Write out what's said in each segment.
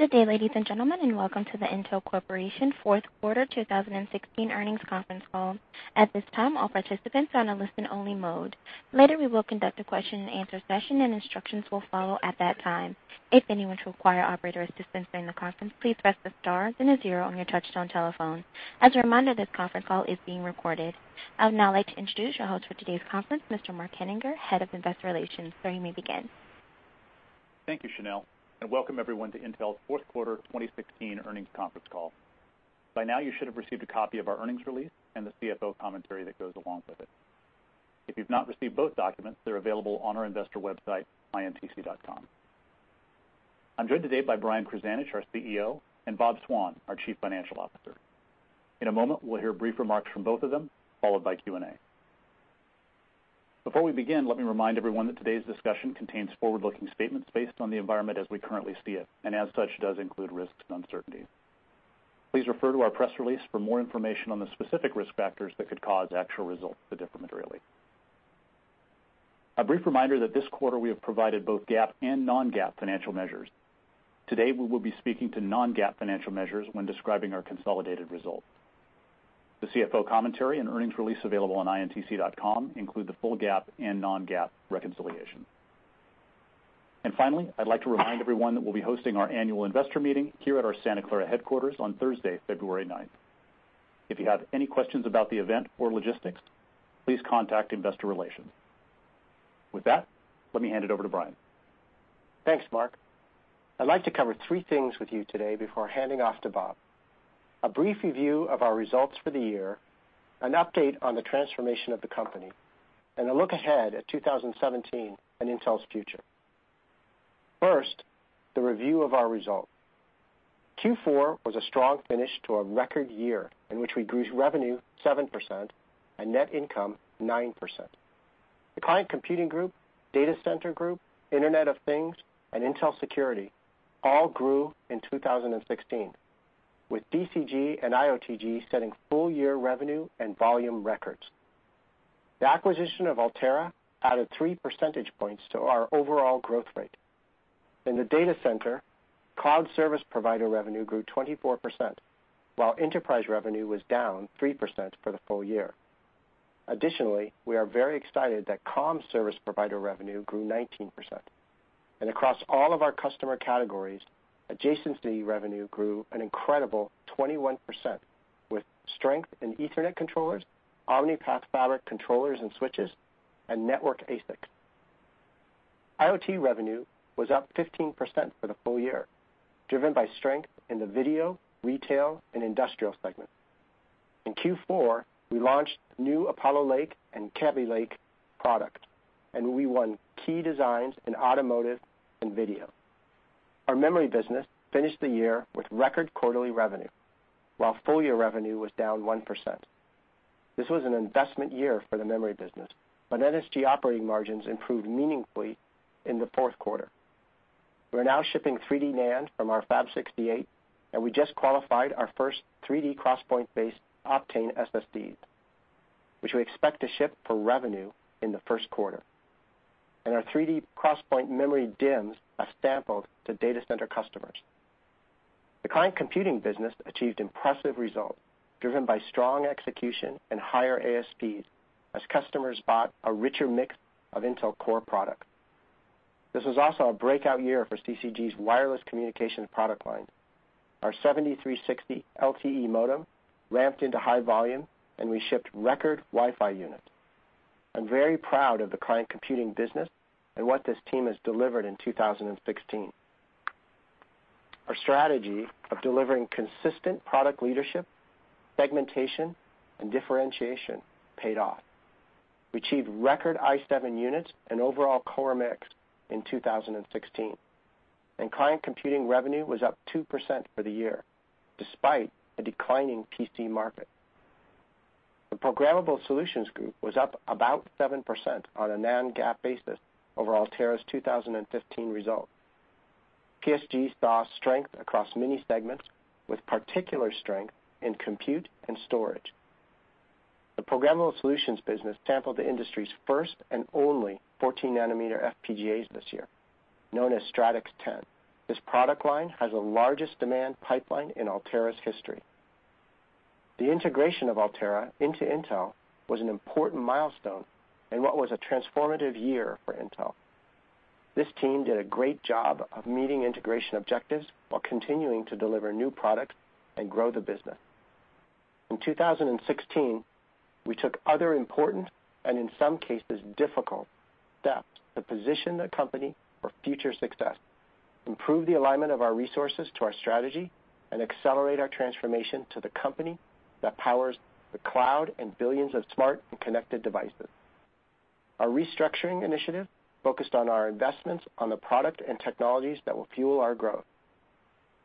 Good day, ladies and gentlemen, and welcome to the Intel Corporation fourth quarter 2016 earnings conference call. At this time, all participants are on a listen only mode. Later, we will conduct a question and answer session, and instructions will follow at that time. If anyone should require operator assistance during the conference, please press the star, then a zero on your touchtone telephone. As a reminder, this conference call is being recorded. I would now like to introduce your host for today's conference, Mr. Mark Henninger, Head of Investor Relations. Sir, you may begin. Thank you, Chanel, and welcome everyone to Intel's fourth quarter 2016 earnings conference call. By now, you should have received a copy of our earnings release and the CFO commentary that goes along with it. If you've not received both documents, they're available on our investor website, intc.com. I'm joined today by Brian Krzanich, our CEO, and Bob Swan, our Chief Financial Officer. In a moment, we'll hear brief remarks from both of them, followed by Q&A. Before we begin, let me remind everyone that today's discussion contains forward-looking statements based on the environment as we currently see it, and as such, does include risks and uncertainties. Please refer to our press release for more information on the specific risk factors that could cause actual results to differ materially. A brief reminder that this quarter we have provided both GAAP and non-GAAP financial measures. Today, we will be speaking to non-GAAP financial measures when describing our consolidated results. The CFO commentary and earnings release available on intc.com include the full GAAP and non-GAAP reconciliation. Finally, I'd like to remind everyone that we'll be hosting our annual investor meeting here at our Santa Clara headquarters on Thursday, February 9th. If you have any questions about the event or logistics, please contact investor relations. With that, let me hand it over to Brian. Thanks, Mark. I'd like to cover three things with you today before handing off to Bob. A brief review of our results for the year, an update on the transformation of the company, and a look ahead at 2017 and Intel's future. First, the review of our results. Q4 was a strong finish to a record year in which we grew revenue 7% and net income 9%. The Client Computing Group, Data Center Group, Internet of Things, and Intel Security all grew in 2016, with DCG and IoTG setting full-year revenue and volume records. The acquisition of Altera added three percentage points to our overall growth rate. In the data center, cloud service provider revenue grew 24%, while enterprise revenue was down 3% for the full year. Additionally, we are very excited that comm service provider revenue grew 19%. Across all of our customer categories, adjacency revenue grew an incredible 21%, with strength in Ethernet controllers, Omni-Path Fabric controllers and switches, and network ASIC. IoT revenue was up 15% for the full year, driven by strength in the video, retail, and industrial segments. In Q4, we launched new Apollo Lake and Kaby Lake product, and we won key designs in automotive and video. Our memory business finished the year with record quarterly revenue, while full year revenue was down 1%. This was an investment year for the memory business, but NSG operating margins improved meaningfully in the fourth quarter. We're now shipping 3D NAND from our Fab 68, and we just qualified our first 3D XPoint-based Optane SSDs, which we expect to ship for revenue in the first quarter. Our 3D XPoint memory DIMMs are sampled to data center customers. The Client Computing business achieved impressive results, driven by strong execution and higher ASPs as customers bought a richer mix of Intel Core product. This was also a breakout year for CCG's wireless communications product line. Our 7360 LTE modem ramped into high volume, and we shipped record Wi-Fi units. I'm very proud of the Client Computing business and what this team has delivered in 2016. Our strategy of delivering consistent product leadership, segmentation, and differentiation paid off. We achieved record i7 units and overall core mix in 2016. Client Computing revenue was up 2% for the year, despite a declining PC market. The Programmable Solutions Group was up about 7% on a non-GAAP basis over Altera's 2015 results. PSG saw strength across many segments, with particular strength in compute and storage. The Programmable Solutions business sampled the industry's first and only 14 nanometer FPGAs this year, known as Stratix 10. This product line has the largest demand pipeline in Altera's history. The integration of Altera into Intel was an important milestone in what was a transformative year for Intel. This team did a great job of meeting integration objectives while continuing to deliver new products and grow the business. In 2016, we took other important, and in some cases difficult, steps to position the company for future success, improve the alignment of our resources to our strategy, and accelerate our transformation to the company that powers the cloud and billions of smart and connected devices. Our restructuring initiative focused on our investments on the product and technologies that will fuel our growth.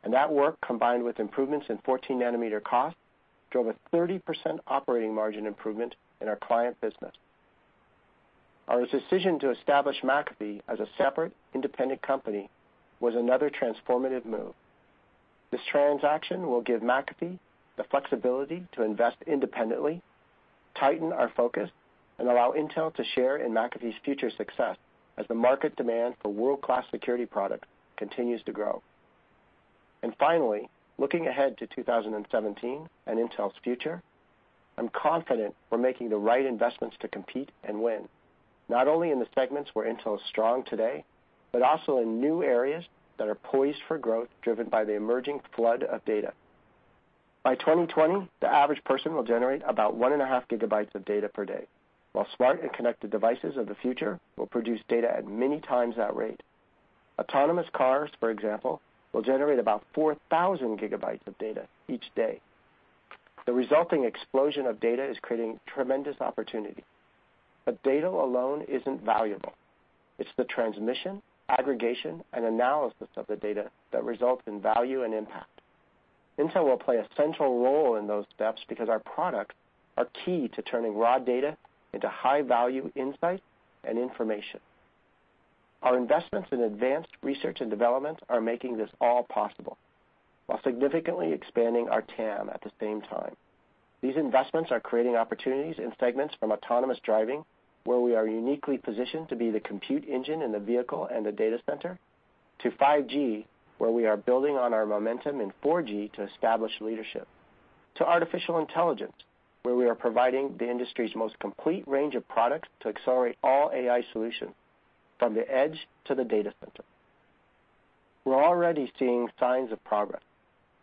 That work, combined with improvements in 14 nanometer cost, drove a 30% operating margin improvement in our client business. Our decision to establish McAfee as a separate independent company was another transformative move. This transaction will give McAfee the flexibility to invest independently, tighten our focus, and allow Intel to share in McAfee's future success as the market demand for world-class security product continues to grow. Finally, looking ahead to 2017 and Intel's future, I'm confident we're making the right investments to compete and win, not only in the segments where Intel is strong today, but also in new areas that are poised for growth, driven by the emerging flood of data. By 2020, the average person will generate about one and a half gigabytes of data per day, while smart and connected devices of the future will produce data at many times that rate. Autonomous cars, for example, will generate about 4,000 gigabytes of data each day. The resulting explosion of data is creating tremendous opportunity. Data alone isn't valuable. It's the transmission, aggregation, and analysis of the data that results in value and impact. Intel will play a central role in those steps because our products are key to turning raw data into high-value insight and information. Our investments in advanced research and development are making this all possible while significantly expanding our TAM at the same time. These investments are creating opportunities in segments from autonomous driving, where we are uniquely positioned to be the compute engine in the vehicle and the data center, to 5G, where we are building on our momentum in 4G to establish leadership, to artificial intelligence, where we are providing the industry's most complete range of products to accelerate all AI solutions from the edge to the data center. We're already seeing signs of progress.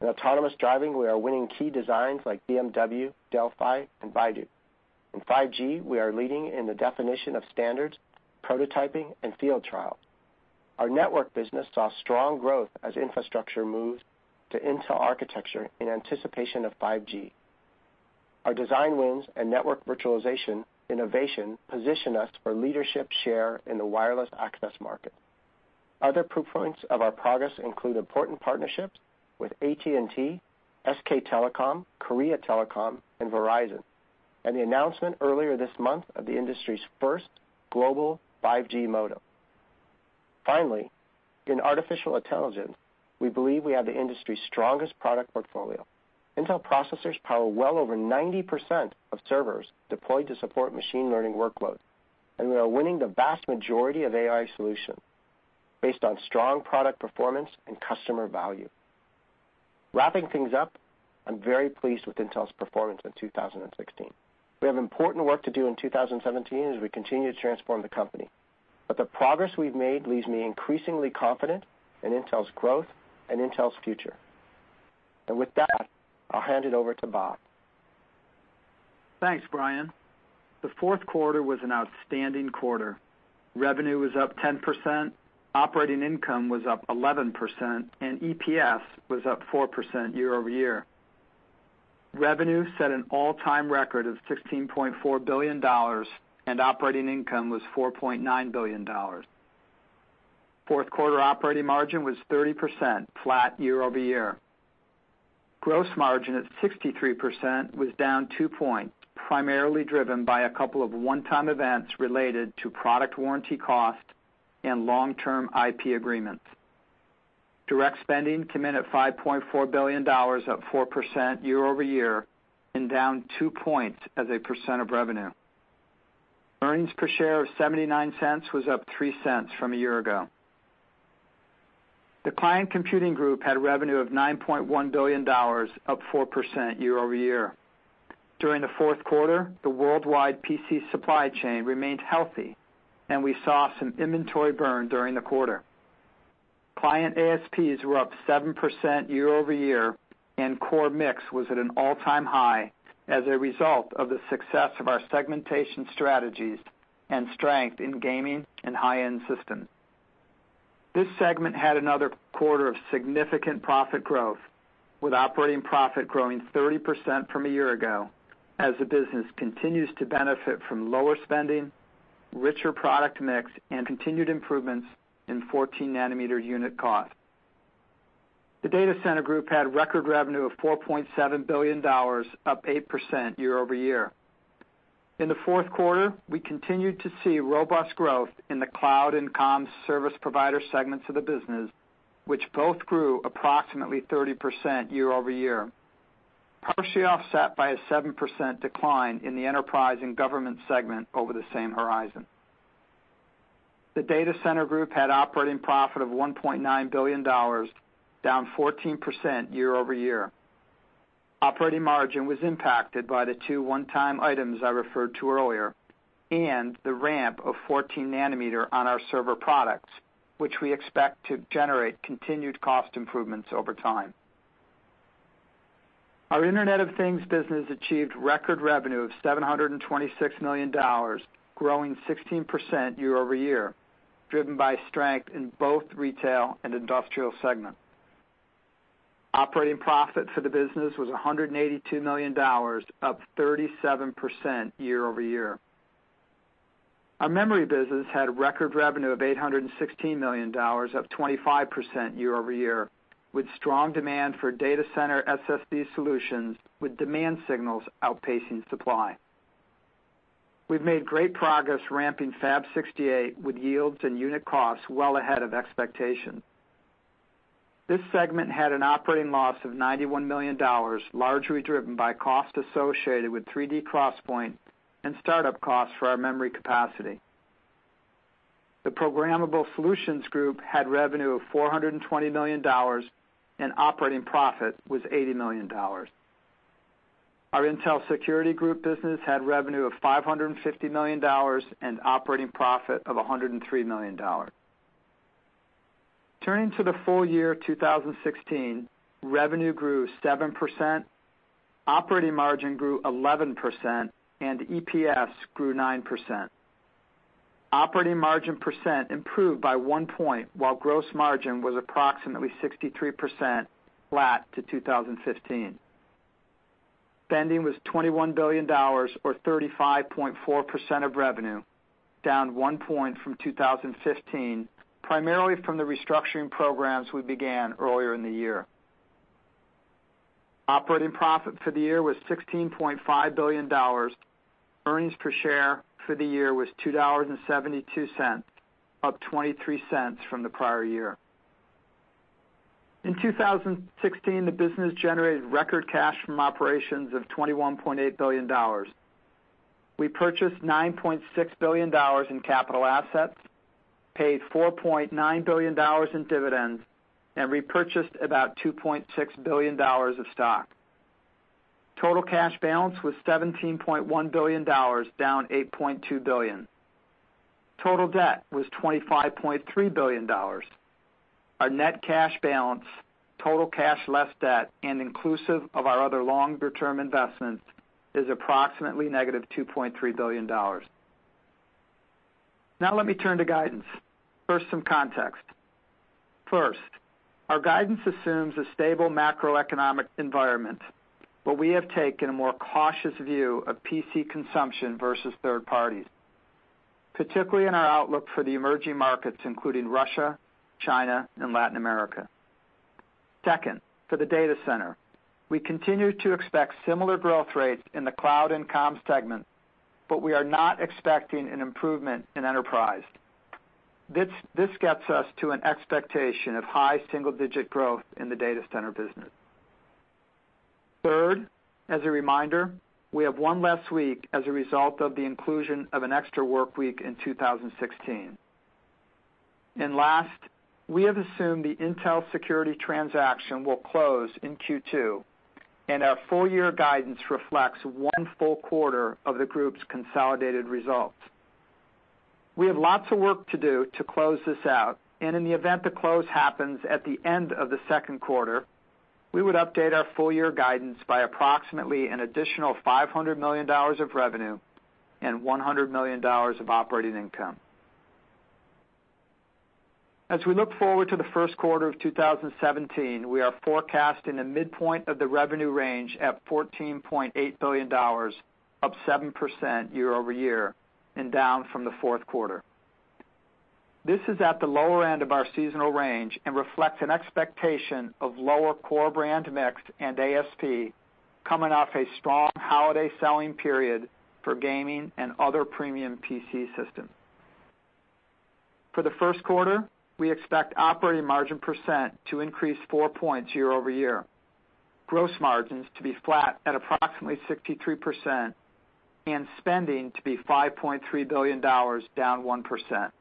In autonomous driving, we are winning key designs like BMW, Delphi, and Baidu. In 5G, we are leading in the definition of standards, prototyping, and field trial. Our network business saw strong growth as infrastructure moved to Intel architecture in anticipation of 5G. Our design wins and network virtualization innovation position us for leadership share in the wireless access market. Other proof points of our progress include important partnerships with AT&T, SK Telecom, Korea Telecom, and Verizon, and the announcement earlier this month of the industry's first global 5G modem. Finally, in artificial intelligence, we believe we have the industry's strongest product portfolio. Intel processors power well over 90% of servers deployed to support machine learning workload, and we are winning the vast majority of AI solutions based on strong product performance and customer value. Wrapping things up, I'm very pleased with Intel's performance in 2016. We have important work to do in 2017 as we continue to transform the company. The progress we've made leaves me increasingly confident in Intel's growth and Intel's future. And with that, I'll hand it over to Bob. Thanks, Brian. The fourth quarter was an outstanding quarter. Revenue was up 10%, operating income was up 11%, and EPS was up 4% year-over-year. Revenue set an all-time record of $16.4 billion. Operating income was $4.9 billion. Fourth quarter operating margin was 30%, flat year-over-year. Gross margin at 63% was down two points, primarily driven by a couple of one-time events related to product warranty cost and long-term IP agreements. Direct spending came in at $5.4 billion, up 4% year-over-year and down two points as a percent of revenue. Earnings per share of $0.79 was up $0.03 from a year ago. The Client Computing Group had revenue of $9.1 billion, up 4% year-over-year. During the fourth quarter, the worldwide PC supply chain remained healthy, and we saw some inventory burn during the quarter. Client ASPs were up 7% year-over-year, and core mix was at an all-time high as a result of the success of our segmentation strategies and strength in gaming and high-end systems. This segment had another quarter of significant profit growth, with operating profit growing 30% from a year ago as the business continues to benefit from lower spending, richer product mix, and continued improvements in 14 nanometer unit cost. The Data Center Group had record revenue of $4.7 billion, up 8% year-over-year. In the fourth quarter, we continued to see robust growth in the cloud and comm service provider segments of the business, which both grew approximately 30% year-over-year, partially offset by a 7% decline in the enterprise and government segment over the same horizon. The Data Center Group had operating profit of $1.9 billion, down 14% year-over-year. Operating margin was impacted by the two one-time items I referred to earlier and the ramp of 14 nanometer on our server products, which we expect to generate continued cost improvements over time. Our Internet of Things business achieved record revenue of $726 million, growing 16% year-over-year, driven by strength in both retail and industrial segments. Operating profit for the business was $182 million, up 37% year-over-year. Our memory business had record revenue of $816 million, up 25% year-over-year, with strong demand for data center SSD solutions with demand signals outpacing supply. We've made great progress ramping Fab 68 with yields and unit costs well ahead of expectation. This segment had an operating loss of $91 million, largely driven by costs associated with 3D XPoint and start-up costs for our memory capacity. The Programmable Solutions Group had revenue of $420 million and operating profit was $80 million. Our Intel Security Group business had revenue of $550 million and operating profit of $103 million. Turning to the full year 2016, revenue grew 7%, operating margin grew 11%, and EPS grew 9%. Operating margin percent improved by one point while gross margin was approximately 63% flat to 2015. Spending was $21 billion, or 35.4% of revenue, down one point from 2015, primarily from the restructuring programs we began earlier in the year. Operating profit for the year was $16.5 billion. Earnings per share for the year was $2.72, up $0.23 from the prior year. In 2016, the business generated record cash from operations of $21.8 billion. We purchased $9.6 billion in capital assets, paid $4.9 billion in dividends, and repurchased about $2.6 billion of stock. Total cash balance was $17.1 billion, down $8.2 billion. Total debt was $25.3 billion. Our net cash balance, total cash less debt, and inclusive of our other longer-term investments, is approximately negative $2.3 billion. Now let me turn to guidance. First, some context. First, our guidance assumes a stable macroeconomic environment, but we have taken a more cautious view of PC consumption versus third parties, particularly in our outlook for the emerging markets, including Russia, China, and Latin America. Second, for the data center, we continue to expect similar growth rates in the cloud and comms segment, but we are not expecting an improvement in enterprise. This gets us to an expectation of high single-digit growth in the data center business. Third, as a reminder, we have one less week as a result of the inclusion of an extra workweek in 2016. Last, we have assumed the Intel Security transaction will close in Q2, and our full-year guidance reflects one full quarter of the group's consolidated results. We have lots of work to do to close this out, and in the event the close happens at the end of the second quarter, we would update our full-year guidance by approximately an additional $500 million of revenue and $100 million of operating income. As we look forward to the first quarter of 2017, we are forecasting a midpoint of the revenue range at $14.8 billion, up 7% year-over-year and down from the fourth quarter. This is at the lower end of our seasonal range and reflects an expectation of lower core brand mix and ASP coming off a strong holiday selling period for gaming and other premium PC systems. For the first quarter, we expect operating margin percent to increase four points year-over-year, gross margins to be flat at approximately 63%, and spending to be $5.3 billion, down 1%.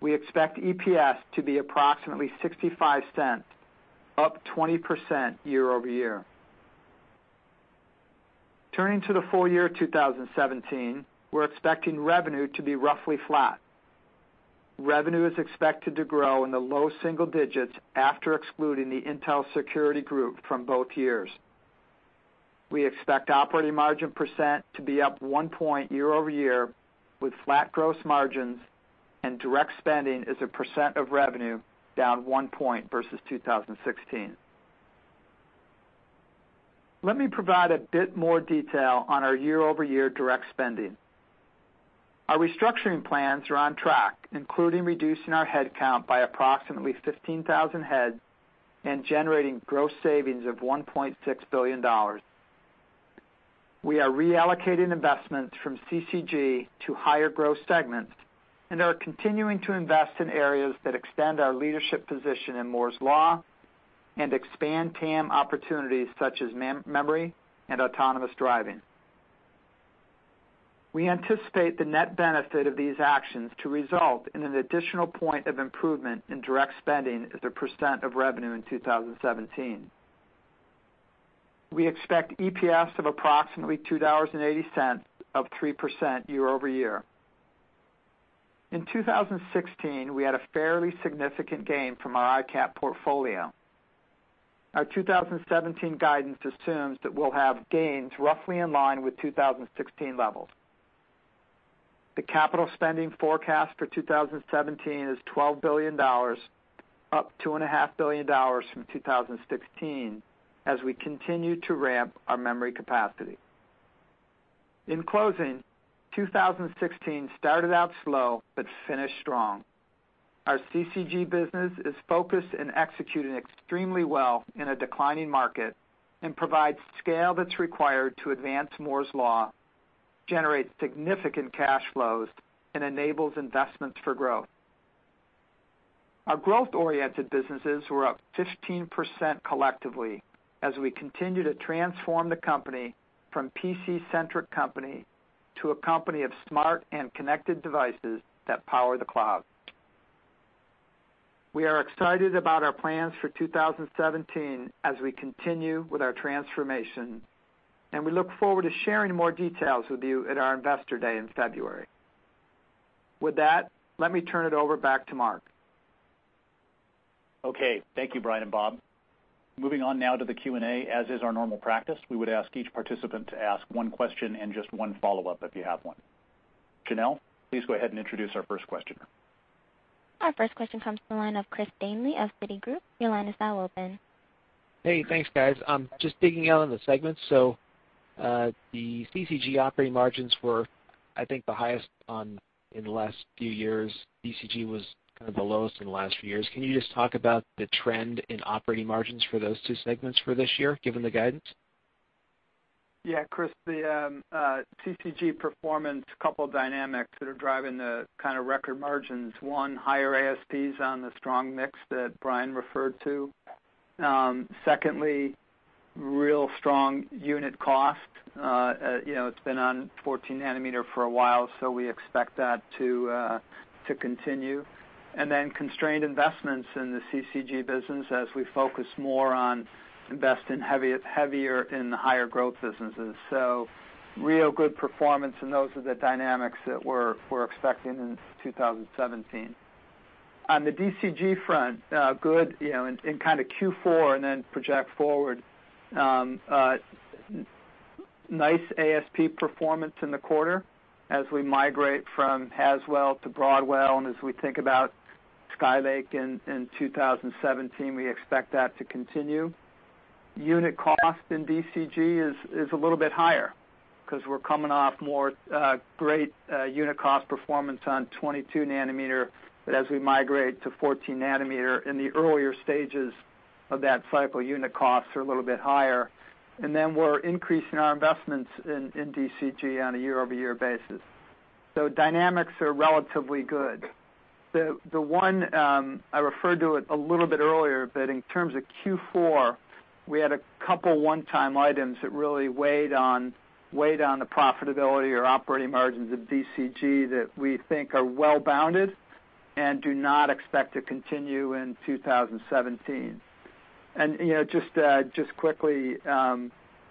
We expect EPS to be approximately $0.65, up 20% year-over-year. Turning to the full-year 2017, we are expecting revenue to be roughly flat. Revenue is expected to grow in the low single digits after excluding the Intel Security Group from both years. We expect operating margin percent to be up one point year-over-year with flat gross margins and direct spending as a percent of revenue down one point versus 2016. Let me provide a bit more detail on our year-over-year direct spending. Our restructuring plans are on track, including reducing our headcount by approximately 15,000 heads and generating gross savings of $1.6 billion. We are reallocating investments from CCG to higher-growth segments and are continuing to invest in areas that extend our leadership position in Moore's Law and expand TAM opportunities such as memory and autonomous driving. We anticipate the net benefit of these actions to result in an additional point of improvement in direct spending as a percent of revenue in 2017. We expect EPS of approximately $2.80, up 3% year-over-year. In 2016, we had a fairly significant gain from our ICAP portfolio. Our 2017 guidance assumes that we will have gains roughly in line with 2016 levels. The capital spending forecast for 2017 is $12 billion, up $2.5 billion from 2016 as we continue to ramp our memory capacity. In closing, 2016 started out slow but finished strong. Our CCG business is focused and executing extremely well in a declining market and provides scale that's required to advance Moore's Law, generate significant cash flows, and enables investments for growth. Our growth-oriented businesses were up 15% collectively as we continue to transform the company from PC-centric company to a company of smart and connected devices that power the cloud. We are excited about our plans for 2017 as we continue with our transformation, and we look forward to sharing more details with you at our investor day in February. With that, let me turn it over back to Mark. Okay. Thank you, Brian and Bob. Moving on now to the Q&A. As is our normal practice, we would ask each participant to ask one question and just one follow-up if you have one. Janelle, please go ahead and introduce our first question. Our first question comes from the line of Chris Danely of Citigroup. Your line is now open. Hey, thanks, guys. Just digging in on the segments. The CCG operating margins were, I think, the highest in the last few years. DCG was kind of the lowest in the last few years. Can you just talk about the trend in operating margins for those two segments for this year, given the guidance? Yeah, Chris, the CCG performance, couple dynamics that are driving the record margins. One, higher ASPs on the strong mix that Brian referred to. Secondly, real strong unit cost. It's been on 14 nanometer for a while, we expect that to continue. Constrained investments in the CCG business as we focus more on invest in heavier in the higher growth businesses. Real good performance, and those are the dynamics that we're expecting in 2017. On the DCG front, good in Q4 and then project forward. Nice ASP performance in the quarter as we migrate from Haswell to Broadwell, and as we think about Skylake in 2017, we expect that to continue. Unit cost in DCG is a little bit higher because we're coming off more great unit cost performance on 22 nanometer. As we migrate to 14 nanometer, in the earlier stages of that cycle, unit costs are a little bit higher. Then we're increasing our investments in DCG on a year-over-year basis. Dynamics are relatively good. The one, I referred to it a little bit earlier, but in terms of Q4, we had a couple one-time items that really weighed on the profitability or operating margins of DCG that we think are well-bounded and do not expect to continue in 2017. Just quickly,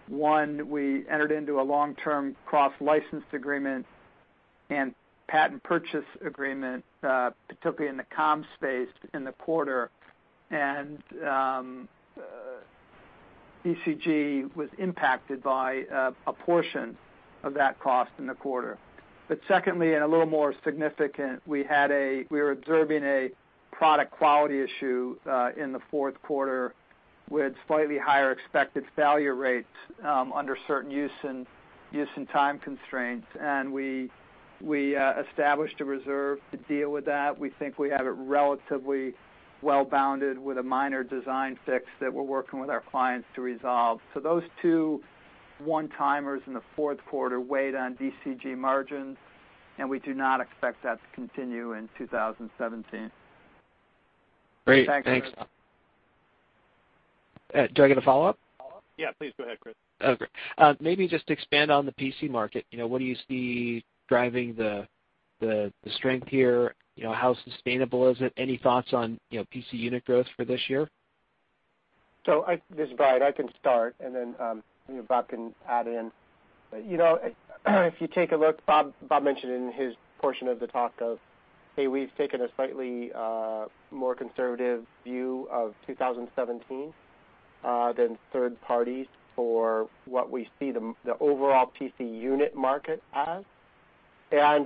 one, we entered into a long-term cross-license agreement and patent purchase agreement, particularly in the comm space in the quarter, and DCG was impacted by a portion of that cost in the quarter. Secondly, and a little more significant, we were observing a product quality issue in the fourth quarter with slightly higher expected failure rates under certain use and time constraints. We established a reserve to deal with that. We think we have it relatively well-bounded with a minor design fix that we're working with our clients to resolve. Those two one-timers in the fourth quarter weighed on DCG margins. We do not expect that to continue in 2017. Great. Thanks. Thanks, Chris. Do I get a follow-up? Yeah, please go ahead, Chris. Okay. Maybe just expand on the PC market. What do you see driving the strength here? How sustainable is it? Any thoughts on PC unit growth for this year? This is Brian. I can start, and then Bob can add in. If you take a look, Bob mentioned in his portion of the talk of, hey, we've taken a slightly more conservative view of 2017 than third parties for what we see the overall PC unit market as.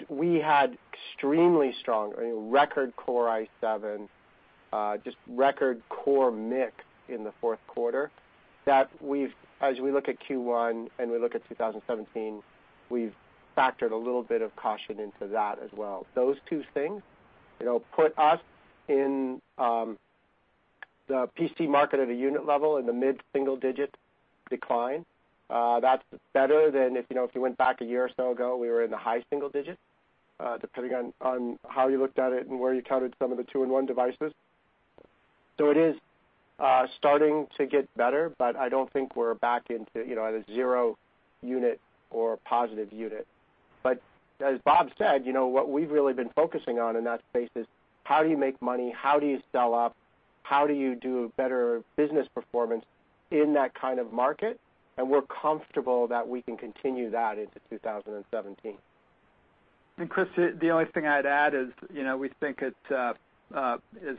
We had extremely strong, record Core i7, just record core mix in the fourth quarter that as we look at Q1 and we look at 2017, we've factored a little bit of caution into that as well. Those two things put us in the PC market at a unit level in the mid-single-digit decline. That's better than if you went back a year or so ago, we were in the high single digits, depending on how you looked at it and where you counted some of the two-in-one devices. It is starting to get better, but I don't think we're back into at a zero unit or a positive unit. As Bob said, what we've really been focusing on in that space is how do you make money, how do you sell up, how do you do better business performance in that kind of market? We're comfortable that we can continue that into 2017. Chris, the only thing I'd add is, we think, as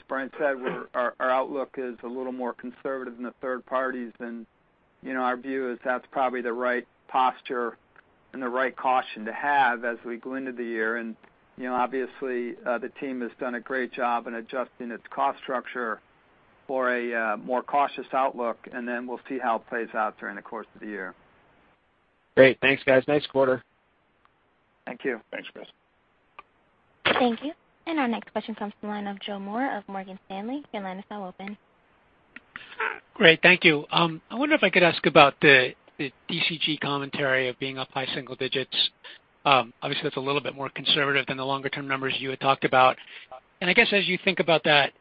Brian said, our outlook is a little more conservative than the third parties. Our view is that's probably the right posture and the right caution to have as we go into the year. Obviously, the team has done a great job in adjusting its cost structure for a more cautious outlook, then we'll see how it plays out during the course of the year. Great. Thanks, guys. Nice quarter. Thank you. Thanks, Chris. Thank you. Our next question comes from the line of Joe Moore of Morgan Stanley. Your line is now open. Great. Thank you. I wonder if I could ask about the DCG commentary of being up high single digits. Obviously, that's a little bit more conservative than the longer-term numbers you had talked about. I guess, as you think about that,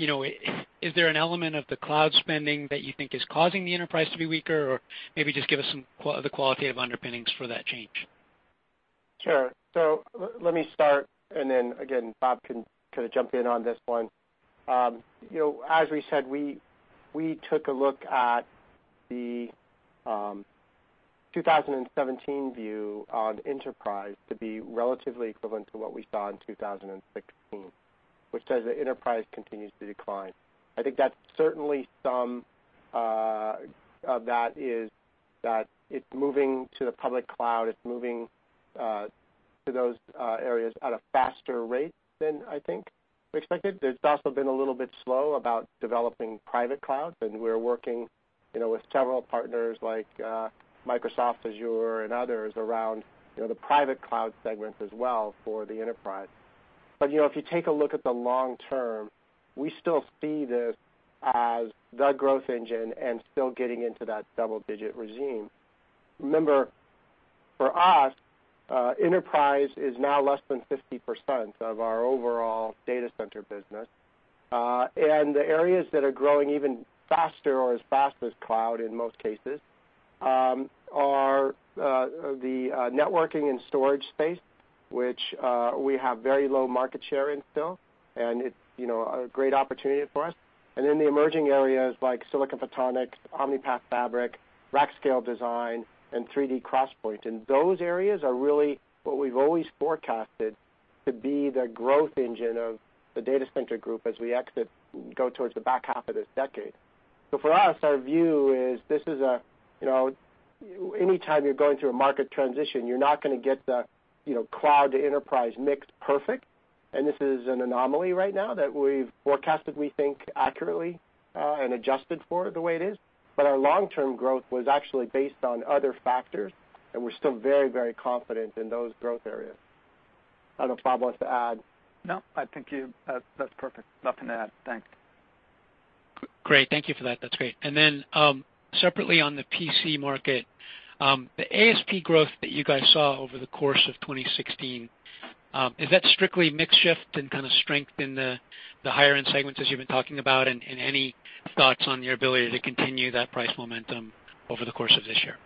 is there an element of the cloud spending that you think is causing the enterprise to be weaker? Maybe just give us the quality of underpinnings for that change. Sure. Let me start, then again, Bob can jump in on this one. As we said, we took a look at the 2017 view on enterprise to be relatively equivalent to what we saw in 2016, which says that enterprise continues to decline. I think that certainly some of that is that it's moving to the public cloud. It's moving to those areas at a faster rate than I think we expected. It's also been a little bit slow about developing private clouds, and we're working with several partners like Microsoft Azure and others around the private cloud segment as well for the enterprise. If you take a look at the long term, we still see this as the growth engine and still getting into that double-digit regime. Remember, for us, enterprise is now less than 50% of our overall data center business. The areas that are growing even faster or as fast as cloud in most cases are the networking and storage space, which we have very low market share in still, and it's a great opportunity for us. The emerging areas like silicon photonics, Omni-Path Fabric, Rack Scale Design, and 3D XPoint. Those areas are really what we've always forecasted to be the growth engine of the Data Center Group as we go towards the back half of this decade. For us, our view is anytime you're going through a market transition, you're not going to get the cloud to enterprise mix perfect. This is an anomaly right now that we've forecasted, we think, accurately and adjusted for it the way it is. Our long-term growth was actually based on other factors, and we're still very confident in those growth areas. I don't know if Bob wants to add. No, I think that's perfect. Nothing to add. Thanks. Great. Thank you for that. That's great. Separately on the PC market, the ASP growth that you guys saw over the course of 2016, is that strictly mix shift and kind of strength in the higher-end segments as you've been talking about? Any thoughts on your ability to continue that price momentum over the course of this year?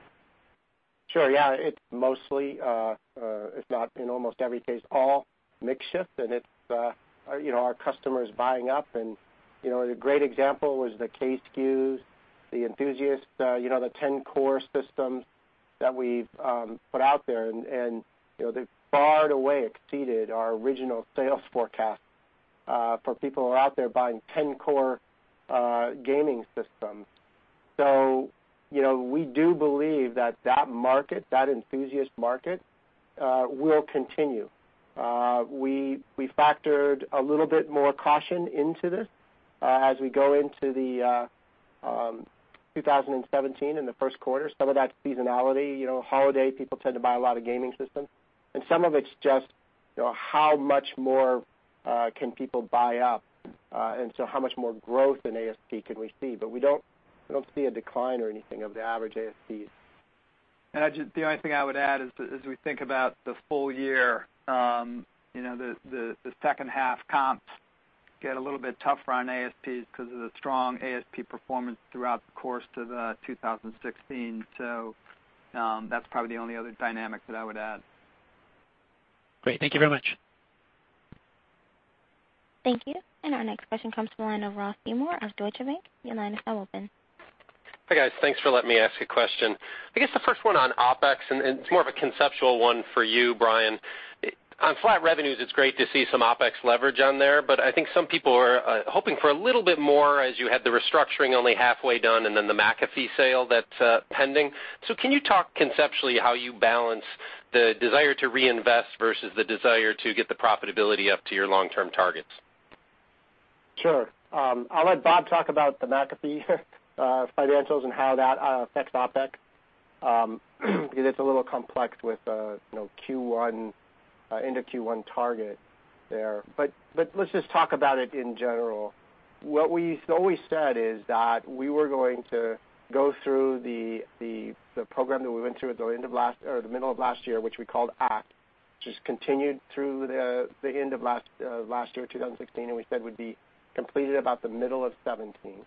Sure. Yeah, it's mostly, if not in almost every case, all mix shift, and it's our customers buying up. A great example was the K SKUs, the enthusiast, the 10-core systems that we've put out there, and they've far and away exceeded our original sales forecast for people who are out there buying 10-core gaming systems. We do believe that that market, that enthusiast market will continue. We factored a little bit more caution into this as we go into 2017 in the first quarter. Some of that's seasonality. Holiday, people tend to buy a lot of gaming systems. Some of it's just how much more can people buy up, and so how much more growth in ASP can we see? We don't see a decline or anything of the average ASPs. The only thing I would add is as we think about the full year, the second half comps get a little bit tougher on ASPs because of the strong ASP performance throughout the course of 2016. That's probably the only other dynamic that I would add. Great. Thank you very much. Thank you. Our next question comes from the line of Ross Seymore of Deutsche Bank. Your line is now open. Hi, guys. Thanks for letting me ask a question. I guess the first one on OpEx, it's more of a conceptual one for you, Brian. On flat revenues, it's great to see some OpEx leverage on there, I think some people are hoping for a little bit more as you had the restructuring only halfway done and then the McAfee sale that's pending. Can you talk conceptually how you balance the desire to reinvest versus the desire to get the profitability up to your long-term targets? Sure. I'll let Bob talk about the McAfee financials and how that affects OpEx, because it's a little complex with end of Q1 target there. Let's just talk about it in general. What we always said is that we were going to go through the program that we went through at the middle of last year, which we called ACT, which has continued through the end of last year, 2016, and we said would be completed about the middle of 2017.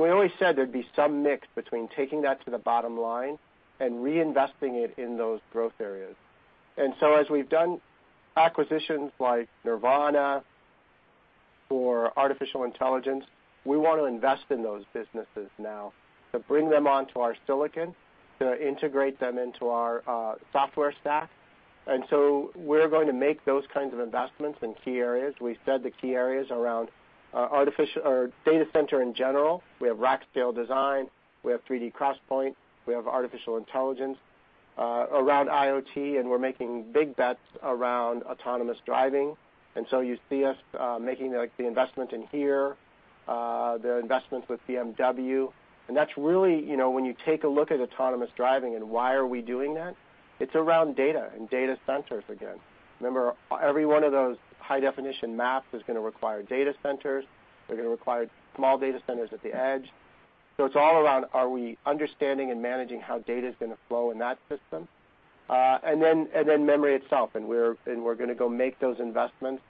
We always said there'd be some mix between taking that to the bottom line and reinvesting it in those growth areas. As we've done acquisitions like Nervana for artificial intelligence, we want to invest in those businesses now to bring them onto our silicon, to integrate them into our software stack. We're going to make those kinds of investments in key areas. We said the key areas around data center in general. We have Rack Scale Design, we have 3D XPoint, we have artificial intelligence. Around IoT, we're making big bets around autonomous driving. You see us making the investment in here, the investments with BMW. When you take a look at autonomous driving and why are we doing that, it's around data and data centers again. Remember, every one of those high-definition maps is going to require data centers. They're going to require small data centers at the edge. It's all around, are we understanding and managing how data is going to flow in that system? Memory itself, we're going to go make those investments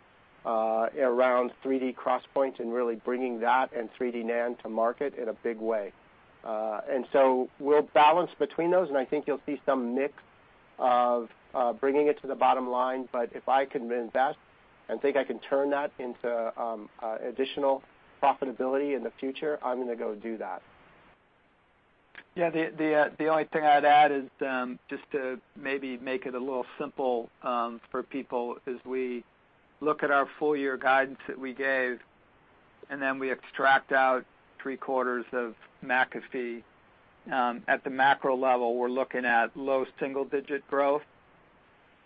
around 3D XPoint and really bringing that and 3D NAND to market in a big way. We'll balance between those, and I think you'll see some mix of bringing it to the bottom line. If I can invest and think I can turn that into additional profitability in the future, I'm going to go do that. Yeah. The only thing I'd add is just to maybe make it a little simple for people is we look at our full-year guidance that we gave, then we extract out three quarters of McAfee. At the macro level, we're looking at low single-digit growth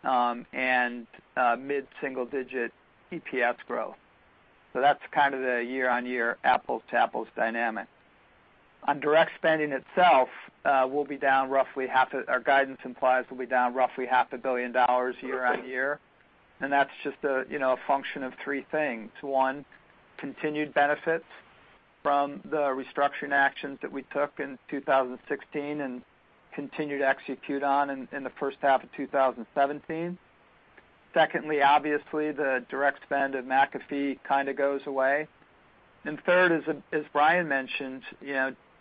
and mid-single-digit EPS growth. That's the year-on-year apples-to-apples dynamic. On direct spending itself, our guidance implies we'll be down roughly half a billion dollars year-on-year, and that's just a function of three things. One, continued benefits from the restructuring actions that we took in 2016 and continue to execute on in the first half of 2017. Secondly, obviously, the direct spend of McAfee goes away. Third is, as Brian mentioned,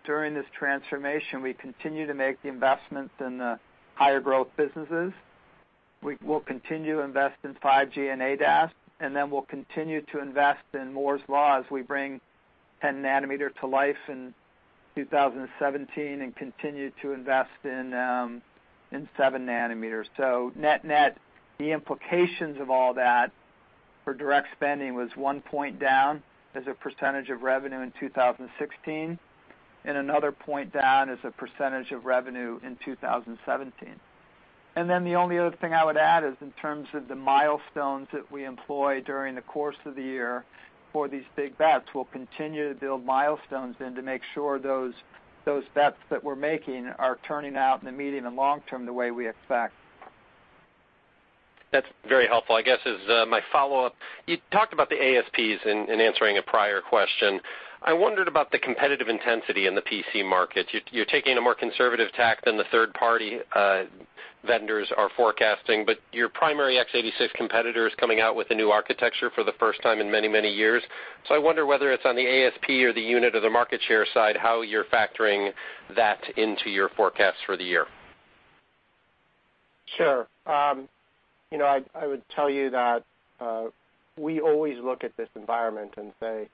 during this transformation, we continue to make the investments in the higher-growth businesses. We'll continue to invest in 5G and ADAS, then we'll continue to invest in Moore's Law as we bring 10 nanometer to life in 2017 and continue to invest in seven nanometers. Net-net, the implications of all that for direct spending was one point down as a percentage of revenue in 2016 and another point down as a percentage of revenue in 2017. The only other thing I would add is in terms of the milestones that we employ during the course of the year for these big bets. We'll continue to build milestones in to make sure those bets that we're making are turning out in the medium and long term the way we expect. That's very helpful. I guess as my follow-up, you talked about the ASPs in answering a prior question. I wondered about the competitive intensity in the PC market. You're taking a more conservative tack than the third-party vendors are forecasting, but your primary x86 competitor is coming out with a new architecture for the first time in many years. I wonder whether it's on the ASP or the unit or the market share side, how you're factoring that into your forecast for the year. Sure. I would tell you that we always look at this environment and say,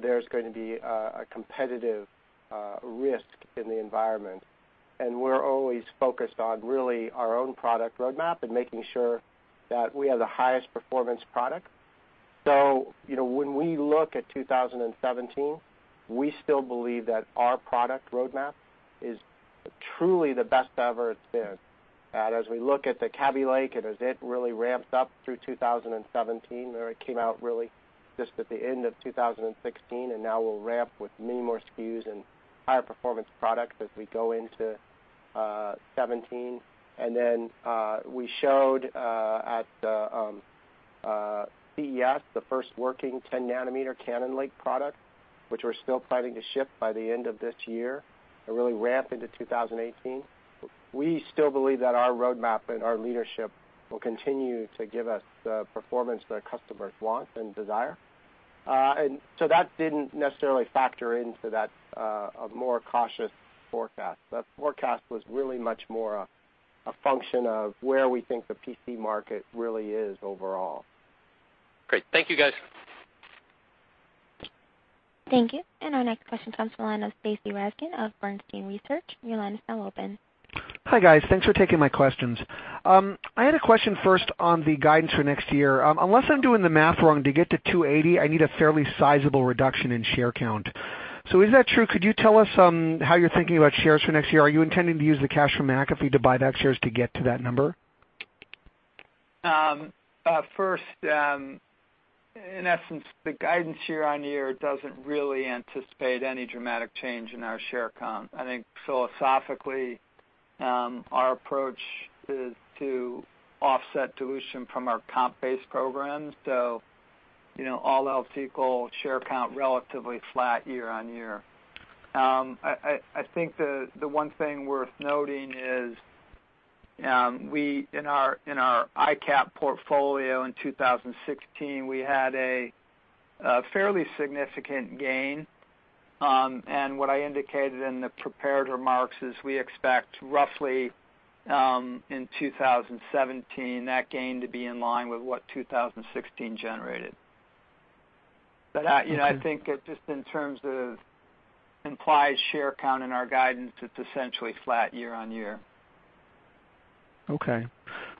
there's going to be a competitive risk in the environment, we're always focused on really our own product roadmap and making sure that we have the highest performance product. When we look at 2017, we still believe that our product roadmap is truly the best it's ever been. As we look at the Kaby Lake and as it really ramps up through 2017, where it came out really just at the end of 2016, now we'll ramp with many more SKUs and higher performance products as we go into 2017. We showed at CES the first working 10-nanometer Cannon Lake product, which we're still planning to ship by the end of this year and really ramp into 2018. We still believe that our roadmap and our leadership will continue to give us the performance that our customers want and desire. That didn't necessarily factor into that more cautious forecast. That forecast was really much more a function of where we think the PC market really is overall. Great. Thank you, guys. Thank you. Our next question comes from the line of Stacy Rasgon of Bernstein Research. Your line is now open. Hi, guys. Thanks for taking my questions. I had a question first on the guidance for next year. Unless I'm doing the math wrong, to get to $2.80, I need a fairly sizable reduction in share count. Is that true? Could you tell us how you're thinking about shares for next year? Are you intending to use the cash from McAfee to buy back shares to get to that number? In essence, the guidance year-on-year doesn't really anticipate any dramatic change in our share count. I think philosophically, our approach is to offset dilution from our comp-based programs. All else equal, share count relatively flat year-on-year. I think the one thing worth noting is in our ICAP portfolio in 2016, we had a fairly significant gain. What I indicated in the prepared remarks is we expect roughly, in 2017, that gain to be in line with what 2016 generated. I think just in terms of implied share count in our guidance, it's essentially flat year-on-year. Okay.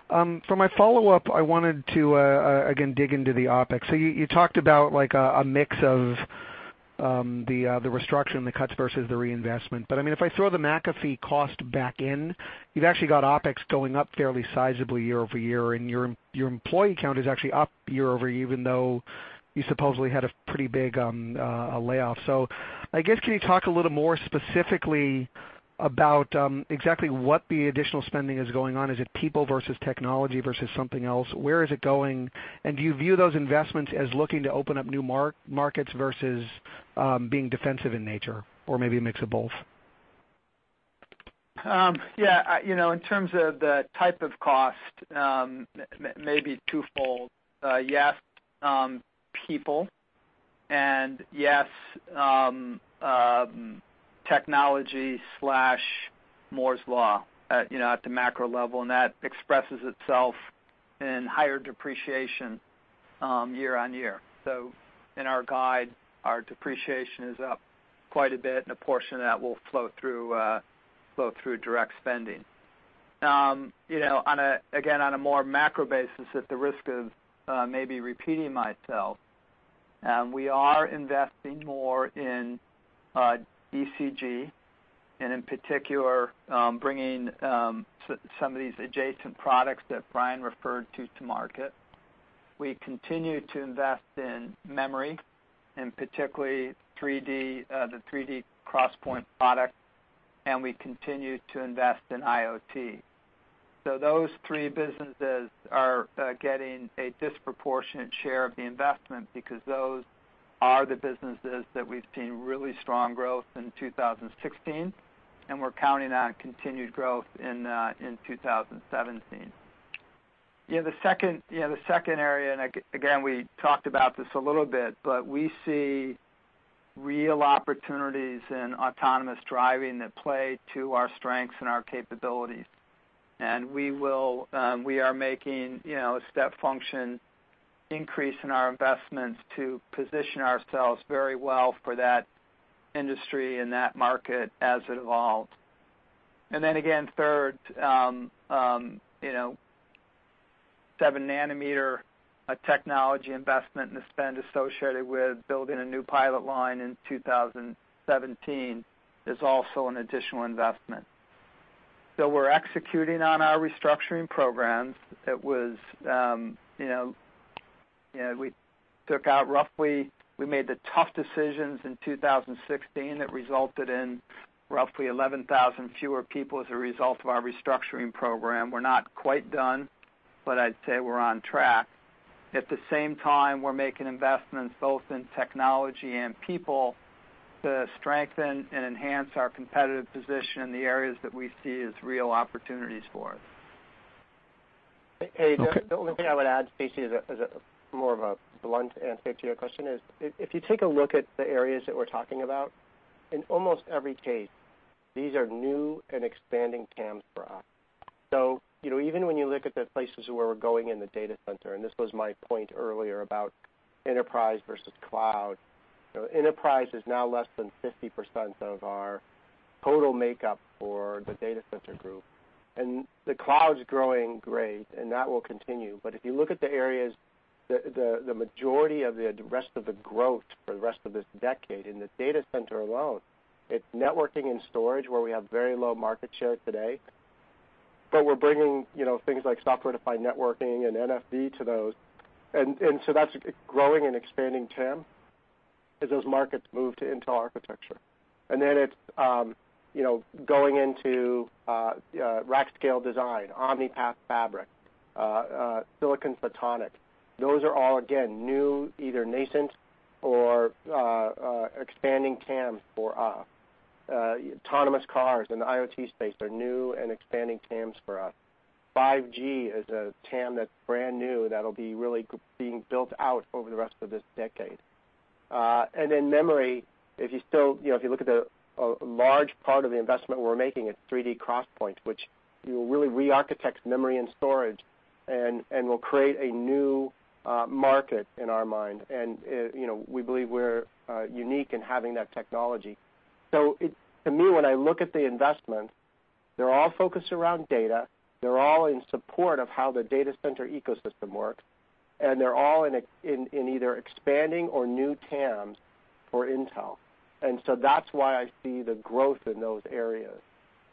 For my follow-up, I wanted to again dig into the OpEx. You talked about a mix of the restructuring, the cuts versus the reinvestment. If I throw the McAfee cost back in, you've actually got OpEx going up fairly sizably year-over-year, and your employee count is actually up year-over-year, even though you supposedly had a pretty big layoff. I guess, can you talk a little more specifically about exactly what the additional spending is going on? Is it people versus technology versus something else? Where is it going? Do you view those investments as looking to open up new markets versus being defensive in nature, or maybe a mix of both? Yeah. In terms of the type of cost, maybe twofold. Yes, people, and yes, technology/Moore's Law at the macro level, and that expresses itself in higher depreciation year-on-year. In our guide, our depreciation is up quite a bit, and a portion of that will flow through direct spending. Again, on a more macro basis, at the risk of maybe repeating myself, we are investing more in DCG, and in particular, bringing some of these adjacent products that Brian referred to market. We continue to invest in memory, and particularly the 3D XPoint product, and we continue to invest in IoT. Those three businesses are getting a disproportionate share of the investment because those are the businesses that we've seen really strong growth in 2016, and we're counting on continued growth in 2017. The second area, again, we talked about this a little bit, we see real opportunities in autonomous driving that play to our strengths and our capabilities. We are making a step function increase in our investments to position ourselves very well for that industry and that market as it evolves. Again, third, 7 nanometer technology investment and the spend associated with building a new pilot line in 2017 is also an additional investment. We're executing on our restructuring programs. We made the tough decisions in 2016 that resulted in roughly 11,000 fewer people as a result of our restructuring program. We're not quite done, I'd say we're on track. At the same time, we're making investments both in technology and people to strengthen and enhance our competitive position in the areas that we see as real opportunities for us. Okay. The only thing I would add, Stacy, as more of a blunt answer to your question is, if you take a look at the areas that we're talking about, in almost every case, these are new and expanding TAMs for us. Even when you look at the places where we're going in the data center, and this was my point earlier about enterprise versus cloud. Enterprise is now less than 50% of our total makeup for the Data Center Group. The cloud's growing great, and that will continue. If you look at the areas, the majority of the rest of the growth for the rest of this decade in the data center alone, it's networking and storage where we have very low market share today. We're bringing things like software-defined networking and NFV to those. That's a growing and expanding TAM as those markets move to Intel architecture. It's going into Rack Scale Design, Omni-Path Fabric, silicon photonics. Those are all, again, new, either nascent or expanding TAM for us. Autonomous cars in the IoT space are new and expanding TAMs for us. 5G is a TAM that's brand new that'll be really being built out over the rest of this decade. Memory, if you look at the large part of the investment we're making at 3D XPoint, which will really re-architect memory and storage and will create a new market in our mind. We believe we're unique in having that technology. To me, when I look at the investment, they're all focused around data. They're all in support of how the data center ecosystem works, and they're all in either expanding or new TAMs for Intel. That's why I see the growth in those areas.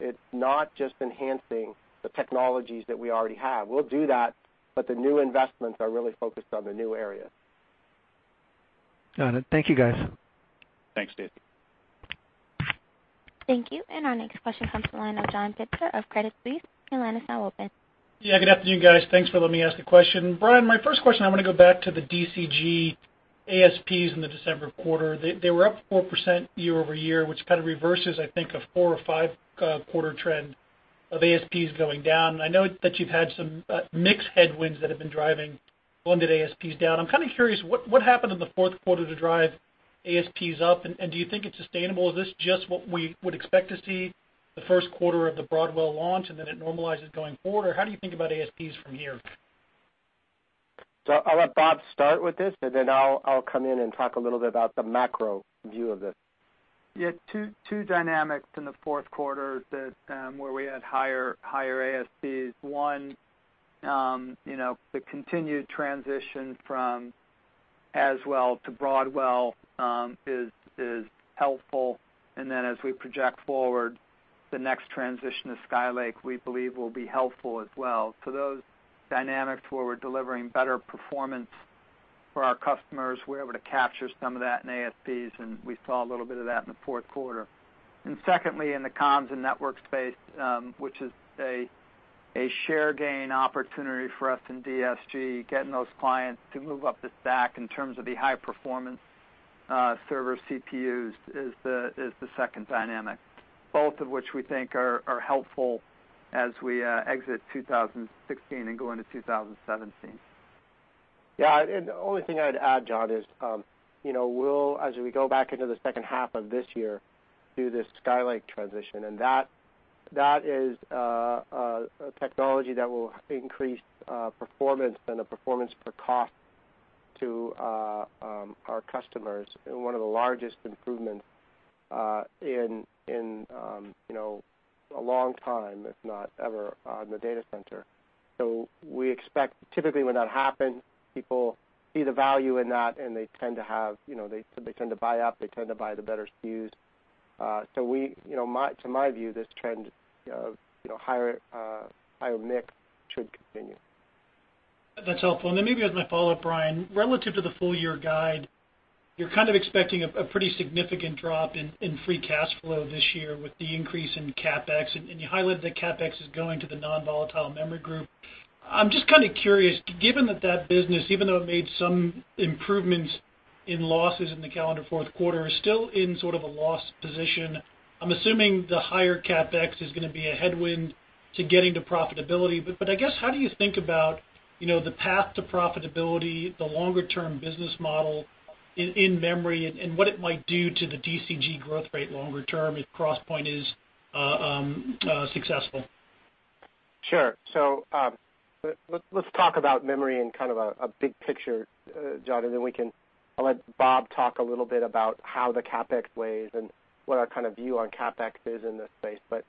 It's not just enhancing the technologies that we already have. We'll do that, but the new investments are really focused on the new areas. Got it. Thank you, guys. Thanks, Stacy. Thank you. Our next question comes from the line of John Pitzer of Credit Suisse. Your line is now open. Yeah, good afternoon, guys. Thanks for letting me ask a question. Brian, my first question, I want to go back to the DCG ASPs in the December quarter. They were up 4% year-over-year, which kind of reverses, I think, a four or five quarter trend of ASPs going down. I know that you've had some mixed headwinds that have been driving blended ASPs down. I'm kind of curious, what happened in the fourth quarter to drive ASPs up, and do you think it's sustainable? Is this just what we would expect to see the first quarter of the Broadwell launch and then it normalizes going forward? Or how do you think about ASPs from here? I'll let Bob start with this, and then I'll come in and talk a little bit about the macro view of this. Yeah. Two dynamics in the fourth quarter where we had higher ASPs. One, the continued transition from Haswell to Broadwell is helpful. As we project forward, the next transition to Skylake we believe will be helpful as well. Those dynamics where we're delivering better performance for our customers, we are able to capture some of that in ASPs, and we saw a little bit of that in the fourth quarter. Secondly, in the comms and network space, which is a share gain opportunity for us in DCG, getting those clients to move up the stack in terms of the high-performance server CPUs is the second dynamic. Both of which we think are helpful as we exit 2016 and go into 2017. Yeah. The only thing I'd add, John, is as we go back into the second half of this year, do this Skylake transition, and that is a technology that will increase performance and the performance per cost to our customers. One of the largest improvements in a long time, if not ever, on the data center. We expect typically when that happens, people see the value in that and they tend to buy up, they tend to buy the better SKUs. To my view, this trend of higher mix should continue. That's helpful. Then maybe as my follow-up, Brian, relative to the full-year guide, you are kind of expecting a pretty significant drop in free cash flow this year with the increase in CapEx, and you highlighted that CapEx is going to the non-volatile memory group. I am just kind of curious, given that that business, even though it made some improvements in losses in the calendar fourth quarter, is still in sort of a loss position. I am assuming the higher CapEx is going to be a headwind to getting to profitability. I guess, how do you think about the path to profitability, the longer-term business model in memory, and what it might do to the DCG growth rate longer term if Crosspoint is successful? Sure. Let's talk about memory in kind of a big picture, John. Then I will let Bob talk a little bit about how the CapEx plays and what our kind of view on CapEx is in this space. But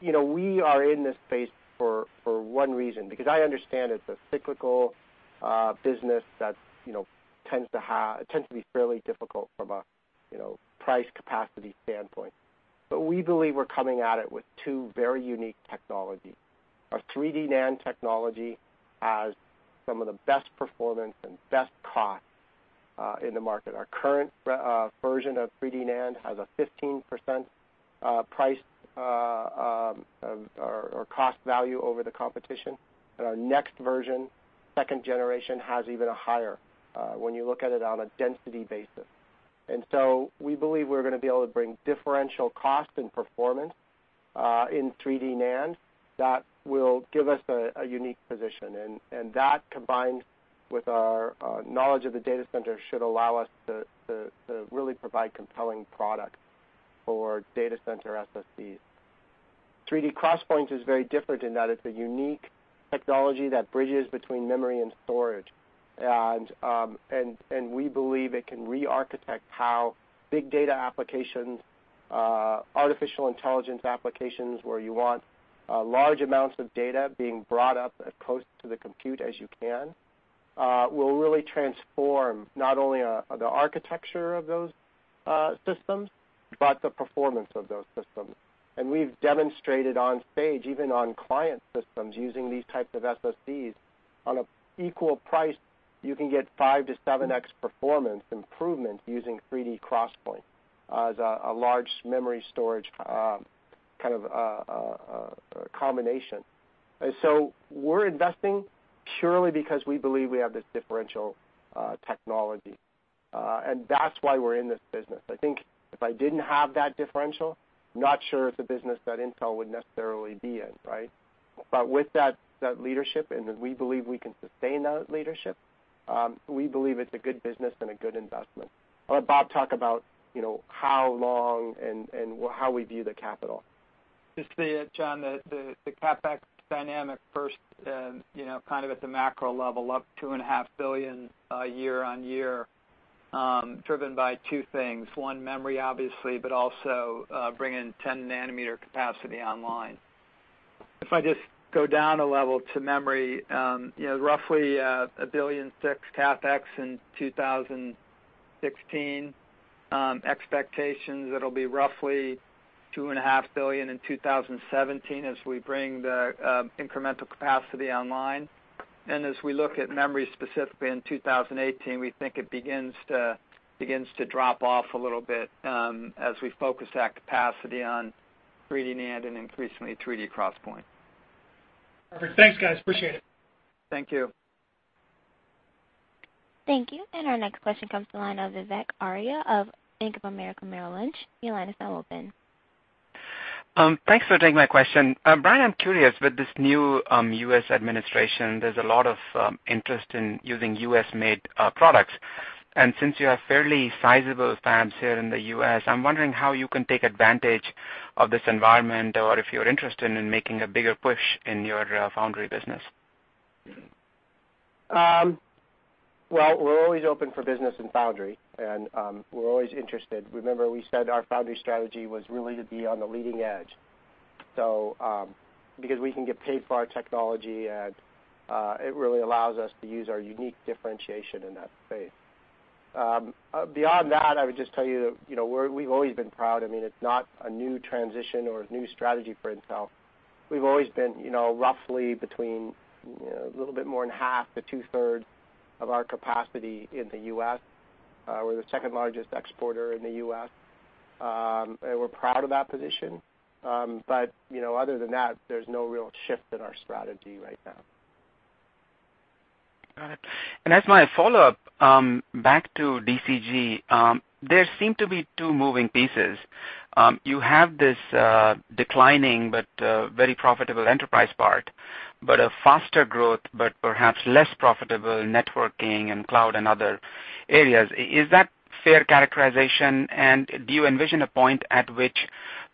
we are in this space for one reason. Because I understand it is a cyclical business that tends to be fairly difficult from a price capacity standpoint. But we believe we are coming at it with two very unique technology. Our 3D NAND technology has some of the best performance and best cost in the market. Our current version of 3D NAND has a 15% price or cost value over the competition. Our next version, second generation, has even higher when you look at it on a density basis. We believe we're going to be able to bring differential cost and performance in 3D NAND that will give us a unique position, and that combined with our knowledge of the data center should allow us to really provide compelling product for data center SSDs. 3D XPoint is very different in that it's a unique technology that bridges between memory and storage. We believe it can re-architect how big data applications, artificial intelligence applications, where you want large amounts of data being brought up as close to the compute as you can, will really transform not only the architecture of those systems, but the performance of those systems. We've demonstrated on stage, even on client systems, using these types of SSDs on an equal price, you can get five to 7x performance improvement using 3D XPoint as a large memory storage combination. We're investing purely because we believe we have this differential technology. That's why we're in this business. I think if I didn't have that differential, not sure it's a business that Intel would necessarily be in, right? With that leadership, and that we believe we can sustain that leadership, we believe it's a good business and a good investment. I'll let Bob talk about how long and how we view the capital. Just to add, John, the CapEx dynamic first, kind of at the macro level, up $2.5 billion year-on-year, driven by two things. One, memory, obviously, but also bringing 10 nanometer capacity online. If I just go down a level to memory, roughly $1.6 billion CapEx in 2016. Expectations, it'll be roughly $2.5 billion in 2017 as we bring the incremental capacity online. As we look at memory specifically in 2018, we think it begins to drop off a little bit as we focus that capacity on 3D NAND and increasingly 3D XPoint. Perfect. Thanks, guys. Appreciate it. Thank you. Thank you. Our next question comes from the line of Vivek Arya of Bank of America Merrill Lynch. Your line is now open. Thanks for taking my question. Brian, I'm curious, with this new U.S. administration, there's a lot of interest in using U.S.-made products. Since you have fairly sizable fabs here in the U.S., I'm wondering how you can take advantage of this environment, or if you're interested in making a bigger push in your foundry business. Well, we're always open for business in foundry, and we're always interested. Remember we said our foundry strategy was really to be on the leading edge. We can get paid for our technology, and it really allows us to use our unique differentiation in that space. Beyond that, I would just tell you we've always been proud. It's not a new transition or a new strategy for Intel. We've always been roughly between a little bit more than half to two-thirds of our capacity in the U.S. We're the second-largest exporter in the U.S., and we're proud of that position. Other than that, there's no real shift in our strategy right now. Got it. As my follow-up, back to DCG, there seem to be two moving pieces. You have this declining but very profitable enterprise part, but a faster growth, but perhaps less profitable networking and cloud and other areas. Is that a fair characterization, and do you envision a point at which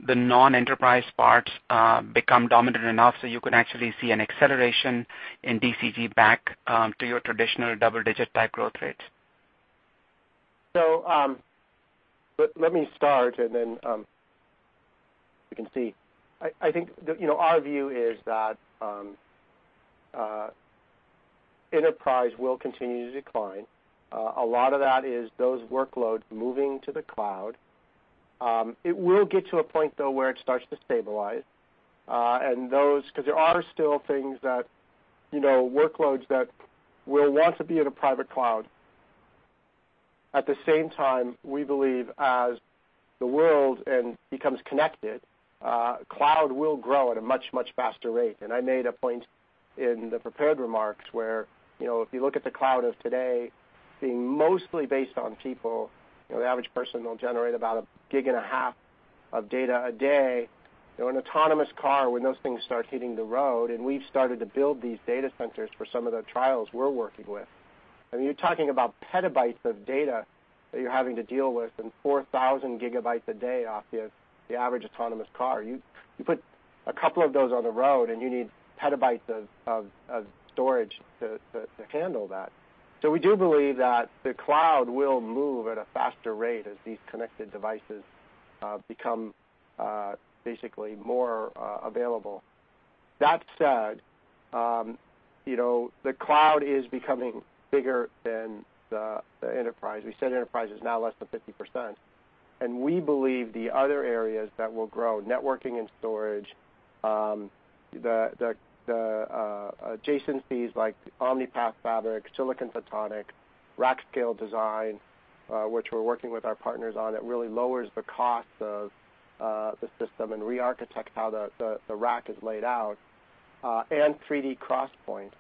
the non-enterprise parts become dominant enough so you can actually see an acceleration in DCG back to your traditional double-digit type growth rate? Let me start, and then we can see. I think, our view is that enterprise will continue to decline. A lot of that is those workloads moving to the cloud. It will get to a point, though, where it starts to stabilize, because there are still workloads that will want to be in a private cloud. At the same time, we believe as the world becomes connected, cloud will grow at a much, much faster rate. I made a point in the prepared remarks where, if you look at the cloud of today, being mostly based on people, the average person will generate about a gig and a half of data a day. An autonomous car, when those things start hitting the road, and we've started to build these data centers for some of the trials we're working with. You're talking about petabytes of data that you're having to deal with, and 4,000 gigabytes a day off the average autonomous car. You put a couple of those on the road, and you need petabytes of storage to handle that. We do believe that the cloud will move at a faster rate as these connected devices become basically more available. That said, the cloud is becoming bigger than the enterprise. We said enterprise is now less than 50%, and we believe the other areas that will grow, networking and storage, the adjacencies like Omni-Path Fabric, Silicon Photonics, Rack Scale Design, which we're working with our partners on, it really lowers the cost of the system and re-architects how the rack is laid out. 3D XPoint,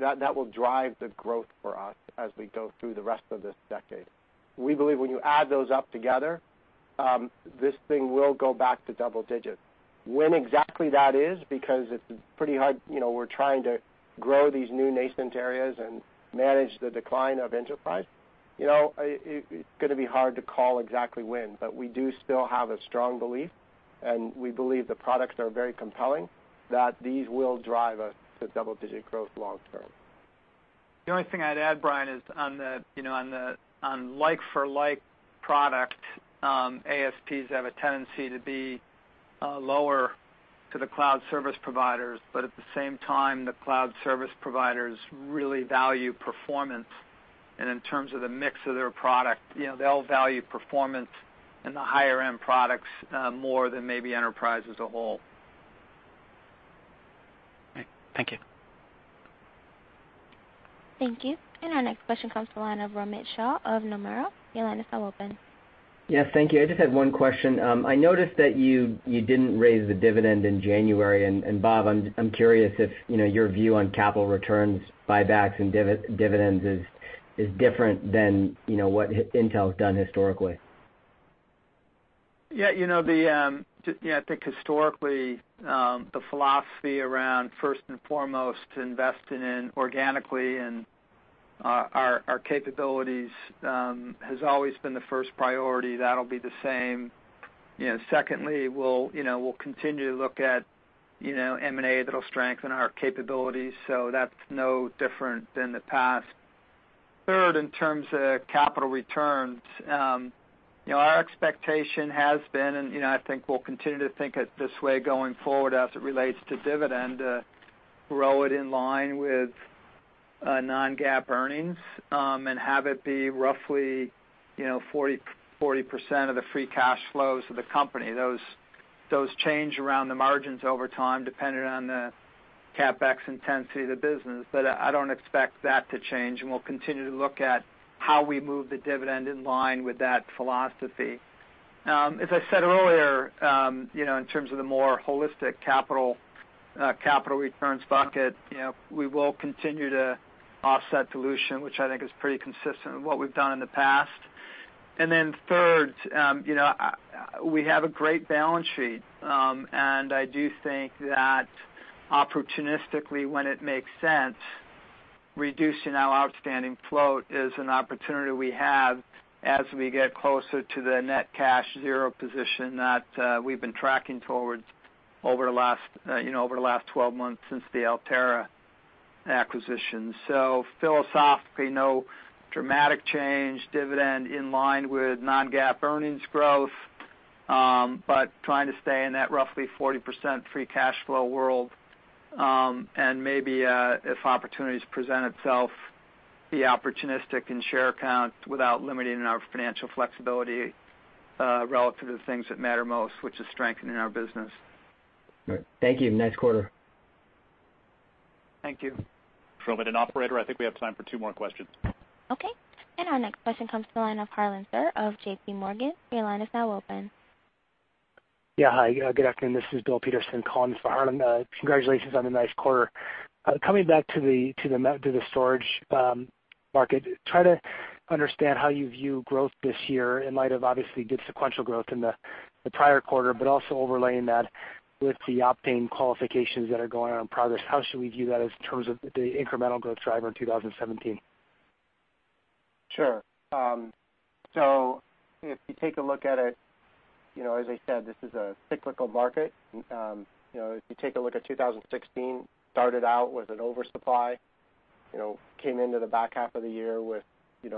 that will drive the growth for us as we go through the rest of this decade. We believe when you add those up together, this thing will go back to double-digits. When exactly that is, because we're trying to grow these new nascent areas and manage the decline of enterprise. It's going to be hard to call exactly when, but we do still have a strong belief, and we believe the products are very compelling, that these will drive us to double-digit growth long term. The only thing I'd add, Brian, is on like-for-like product, ASPs have a tendency to be lower to the cloud service providers. At the same time, the cloud service providers really value performance. In terms of the mix of their product, they'll value performance in the higher-end products more than maybe enterprise as a whole. Right. Thank you. Thank you. Our next question comes to the line of Romit Shah of Nomura. Your line is now open. Yes. Thank you. I just had one question. I noticed that you didn't raise the dividend in January. Bob, I'm curious if your view on capital returns, buybacks, and dividends is different than what Intel's done historically. Yeah. I think historically, the philosophy around first and foremost, investing in organically and our capabilities, has always been the first priority. That'll be the same. Secondly, we'll continue to look at M&A that'll strengthen our capabilities, so that's no different than the past. Third, in terms of capital returns, our expectation has been, and I think we'll continue to think this way going forward as it relates to dividend, grow it in line with non-GAAP earnings, and have it be roughly 40% of the free cash flows of the company. Those change around the margins over time, depending on the CapEx intensity of the business. I don't expect that to change, and we'll continue to look at how we move the dividend in line with that philosophy. As I said earlier, in terms of the more holistic capital returns bucket, we will continue to offset dilution, which I think is pretty consistent with what we've done in the past. Third, we have a great balance sheet, and I do think that opportunistically, when it makes sense. Reducing our outstanding float is an opportunity we have as we get closer to the net cash zero position that we've been tracking towards over the last 12 months since the Altera acquisition. Philosophically, no dramatic change, dividend in line with non-GAAP earnings growth, but trying to stay in that roughly 40% free cash flow world. Maybe if opportunities present itself, be opportunistic in share count without limiting our financial flexibility relative to the things that matter most, which is strengthening our business. Great. Thank you. Nice quarter. Thank you. Operator, I think we have time for two more questions. Okay. Our next question comes from the line of Harlan Sur of JP Morgan. Your line is now open. Yeah. Hi, good afternoon. This is Bill Peterson calling for Harlan. Congratulations on the nice quarter. Coming back to the storage market, try to understand how you view growth this year in light of obviously good sequential growth in the prior quarter, but also overlaying that with the Optane qualifications that are going on in progress. How should we view that in terms of the incremental growth driver in 2017? Sure. If you take a look at it, as I said, this is a cyclical market. If you take a look at 2016, started out with an oversupply, came into the back half of the year with an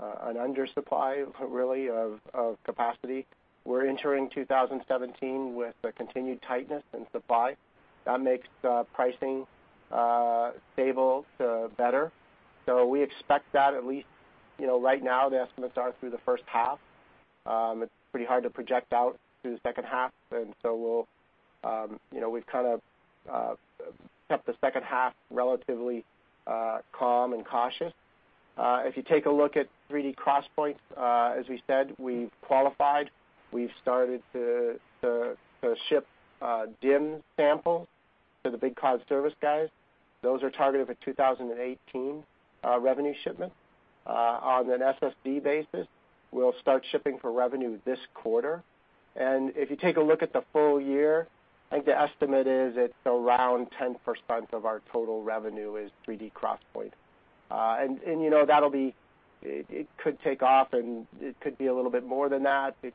undersupply, really, of capacity. We're entering 2017 with a continued tightness in supply. That makes the pricing stable to better. We expect that at least right now, the estimates are through the first half. It's pretty hard to project out through the second half, we've kind of kept the second half relatively calm and cautious. If you take a look at 3D XPoint, as we said, we've qualified, we've started to ship DIMM samples to the big cloud service guys. Those are targeted for 2018 revenue shipment. On an SSD basis, we'll start shipping for revenue this quarter. If you take a look at the full year, I think the estimate is it's around 10% of our total revenue is 3D XPoint. It could take off, and it could be a little bit more than that. It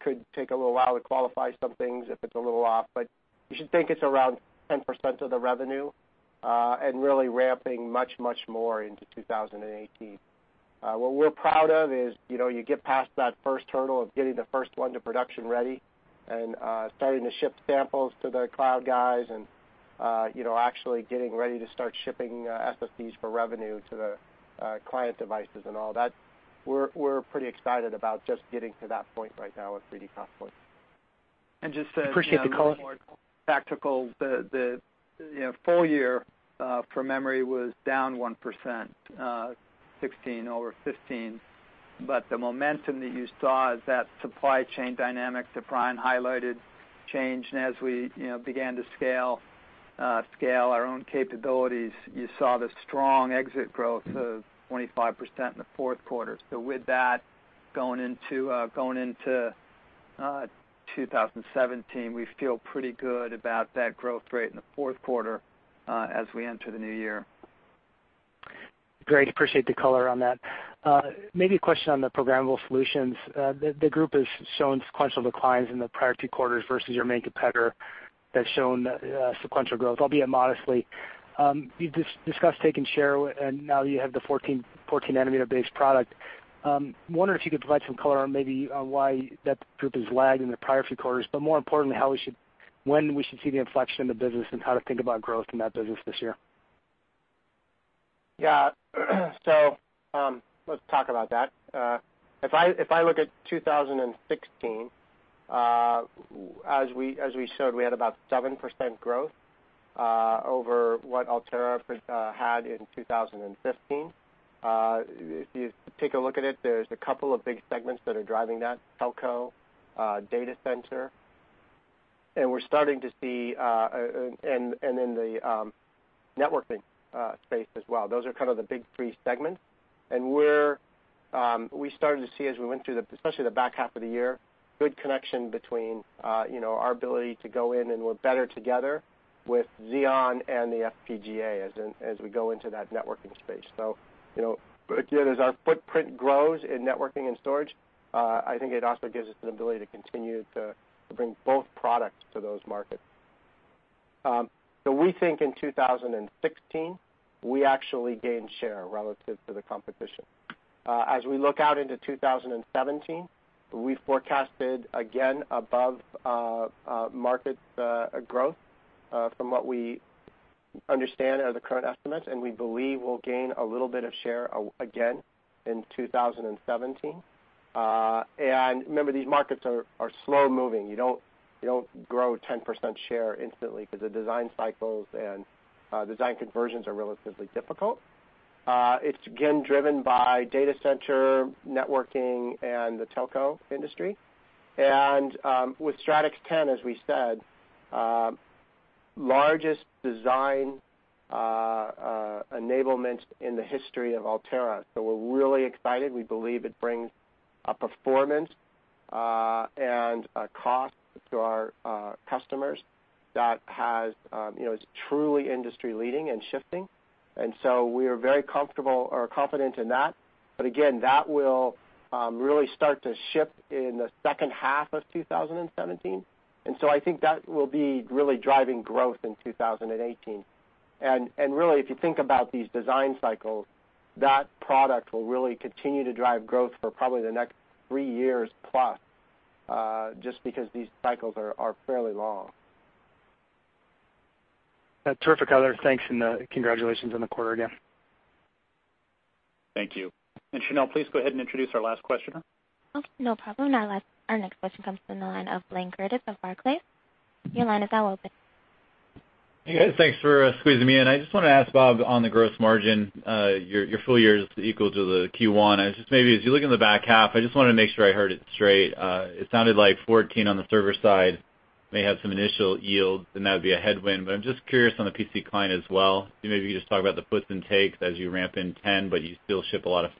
could take a little while to qualify some things if it's a little off, but you should think it's around 10% of the revenue, and really ramping much more into 2018. What we're proud of is, you get past that first hurdle of getting the first one to production ready and starting to ship samples to the cloud guys and actually getting ready to start shipping SSDs for revenue to the client devices and all that. We're pretty excited about just getting to that point right now with 3D XPoint. Just to- Appreciate the color. Be more tactical, the full year for memory was down 1%, 2016 over 2015. The momentum that you saw is that supply chain dynamic that Brian highlighted changed. As we began to scale our own capabilities, you saw the strong exit growth of 25% in the fourth quarter. With that, going into 2017, we feel pretty good about that growth rate in the fourth quarter as we enter the new year. Great. Appreciate the color on that. A question on the programmable solutions. The group has shown sequential declines in the prior two quarters versus your main competitor that's shown sequential growth, albeit modestly. You've discussed taking share, now you have the 14 nanometer-based product. I wonder if you could provide some color on maybe on why that group has lagged in the prior few quarters, more importantly, when we should see the inflection in the business and how to think about growth in that business this year. Let's talk about that. If I look at 2016, as we showed, we had about 7% growth over what Altera had in 2015. If you take a look at it, there's a couple of big segments that are driving that: telco, data center, in the networking space as well. Those are kind of the big three segments. We started to see as we went through, especially the back half of the year, good connection between our ability to go in we're better together with Xeon and the FPGA as we go into that networking space. As our footprint grows in networking and storage, I think it also gives us an ability to continue to bring both products to those markets. We think in 2016, we actually gained share relative to the competition. As we look out into 2017, we forecasted again above market growth from what we understand are the current estimates, we believe we'll gain a little bit of share again in 2017. Remember, these markets are slow moving. You don't grow 10% share instantly because the design cycles and design conversions are relatively difficult. It's again driven by data center, networking, the telco industry. With Stratix 10, as we said, largest design enablement in the history of Altera. We're really excited. We believe it brings a performance and a cost to our customers that is truly industry-leading and shifting. We are very comfortable or confident in that. Again, that will really start to ship in the second half of 2017. I think that will be really driving growth in 2018. Really, if you think about these design cycles, that product will really continue to drive growth for probably the next three years plus, just because these cycles are fairly long. Terrific, Tyler. Thanks. Congratulations on the quarter again. Thank you. Chanel, please go ahead and introduce our last questioner. Okay, no problem. Our next question comes from the line of Blayne Curtis of Barclays. Your line is now open. Hey, guys. Thanks for squeezing me in. I just wanted to ask Bob on the gross margin, your full year is equal to the Q1. As you look in the back half, I just wanted to make sure I heard it straight. It sounded like 14 on the server side may have some initial yields, and that would be a headwind, but I'm just curious on the PC client as well. Maybe you can just talk about the puts and takes as you ramp in 10, but you still ship a lot of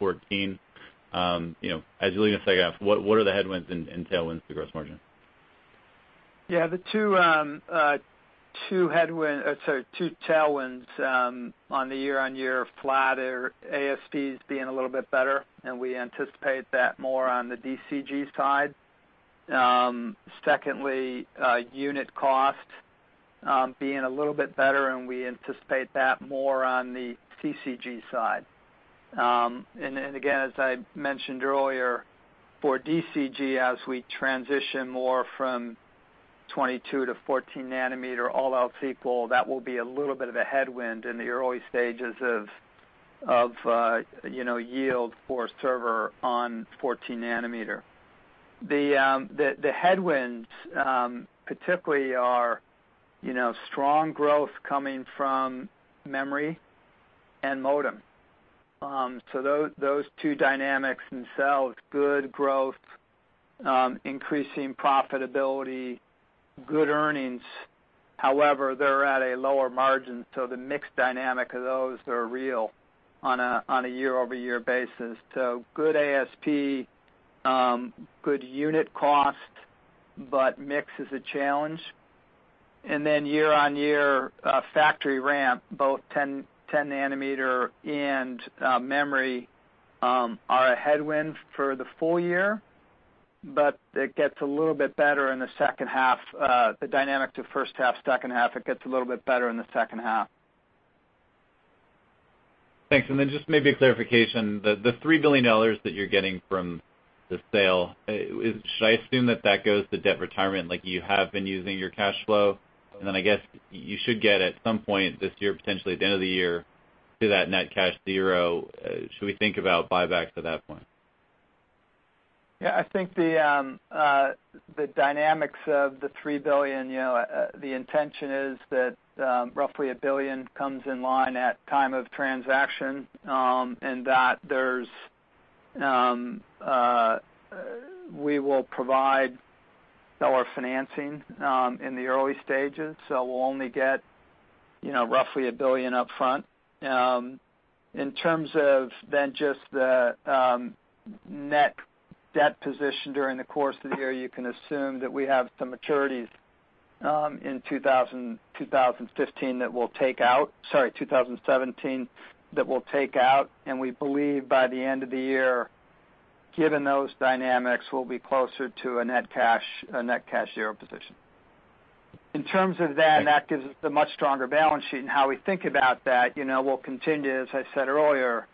14. As you look into second half, what are the headwinds and tailwinds to gross margin? Yeah, the two headwinds, sorry, two tailwinds on the year-on-year are flat. ASP is being a little bit better, and we anticipate that more on the DCG side. Secondly, unit cost being a little bit better, and we anticipate that more on the CCG side. Again, as I mentioned earlier, for DCG, as we transition more from 22 to 14 nanometer, all else equal, that will be a little bit of a headwind in the early stages of yield for server on 14 nanometer. Those two dynamics themselves, good growth, increasing profitability, good earnings. However, they're at a lower margin, so the mix dynamic of those are real on a year-over-year basis. Good ASP, good unit cost, but mix is a challenge. Year-on-year factory ramp, both 10 nanometer and memory are a headwind for the full year, but it gets a little bit better in the second half. The dynamic to first half, second half, it gets a little bit better in the second half. Thanks. Just maybe a clarification, the $3 billion that you're getting from the sale, should I assume that that goes to debt retirement, like you have been using your cash flow? I guess you should get, at some point this year, potentially at the end of the year, to that net cash zero. Should we think about buybacks at that point? Yeah, I think the dynamics of the $3 billion, the intention is that roughly $1 billion comes in line at time of transaction, and that we will provide seller financing in the early stages. We'll only get roughly $1 billion upfront. In terms of then just the net debt position during the course of the year, you can assume that we have some maturities in 2015 that we'll take out, sorry, 2017, that we'll take out. We believe by the end of the year, given those dynamics, we'll be closer to a net cash zero position. In terms of that gives us the much stronger balance sheet and how we think about that, we'll continue, as I said earlier,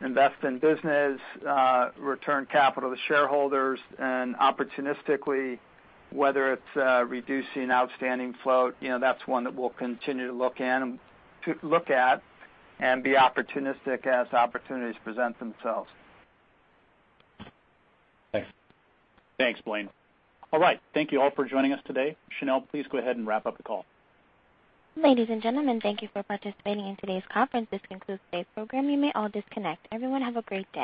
invest in business, return capital to shareholders, and opportunistically, whether it's reducing outstanding float, that's one that we'll continue to look at and be opportunistic as opportunities present themselves. Thanks. Thanks, Blayne. All right. Thank you all for joining us today. Chanel, please go ahead and wrap up the call. Ladies and gentlemen, thank you for participating in today's conference. This concludes today's program. You may all disconnect. Everyone have a great day.